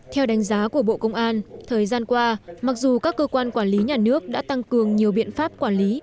theo đánh giá của bộ công an thời gian qua mặc dù các cơ quan quản lý nhà nước đã tăng cường nhiều biện pháp quản lý